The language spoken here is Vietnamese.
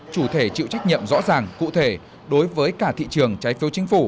chủ thể chịu trách nhiệm rõ ràng cụ thể đối với cả thị trường trái phiếu chính phủ